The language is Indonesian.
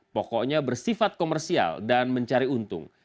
pokoknya bersifat komersial dan mencari untung